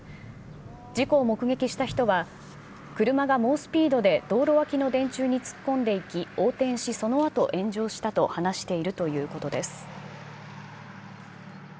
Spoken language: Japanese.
事故を目撃した人は、車が猛スピードで道路わきの電柱に突っ込んでいき、横転し、そのあと炎上したと話しているということです。